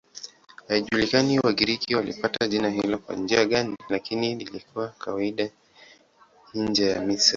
Haijulikani Wagiriki walipata jina hilo kwa njia gani, lakini lilikuwa kawaida nje ya Misri.